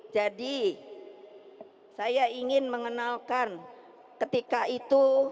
jadi saya ingin mengenalkan ketika itu